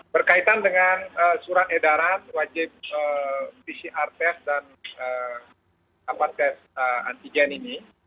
berkaitan dengan surat edaran wajib pcr test dan dapat tes antigen ini